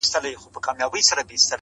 شیخه په خلکو به دې زر ځله ریا ووینم-